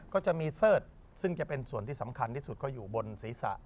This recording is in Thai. ก็จะมีเสิร์ธซึ่งจะเป็นส่วนที่สำคัญที่สุดก็อยู่บนศีรษะ